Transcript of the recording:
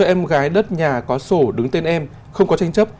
em gái đất nhà có sổ đứng tên em không có tranh chấp